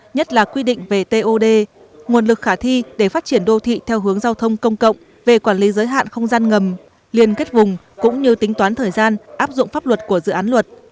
nhất là quy định về tod nguồn lực khả thi để phát triển đô thị theo hướng giao thông công cộng về quản lý giới hạn không gian ngầm liên kết vùng cũng như tính toán thời gian áp dụng pháp luật của dự án luật